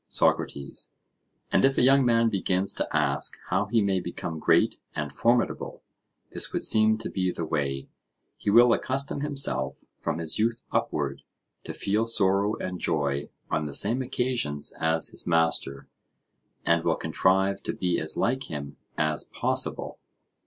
SOCRATES: And if a young man begins to ask how he may become great and formidable, this would seem to be the way—he will accustom himself, from his youth upward, to feel sorrow and joy on the same occasions as his master, and will contrive to be as like him as possible?